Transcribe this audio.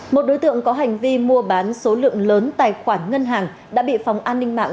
một đối tượng có hành vi mua bán số lượng lớn tài khoản ngân hàng đã bị phòng an ninh mạng